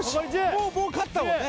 もうもう勝ったもんね